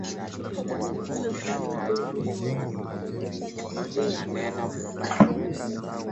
lakini kwako huenda ukazichukulia kama za kushangaza